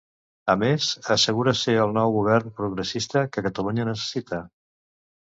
A més, assegura ser el nou govern progressista que Catalunya necessita.